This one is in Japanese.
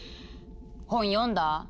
本読んだ？